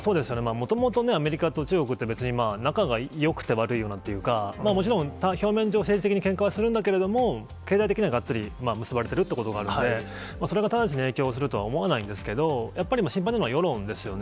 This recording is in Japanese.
もともとね、アメリカと中国って、別に仲がよくて悪いというか、もちろん、表面上、政治的にけんかはするんだけれども、経済的にはがっつり結ばれてるというところがあるので、それが直ちに影響するとは思わないんですけど、やっぱり心配なのは世論ですよね。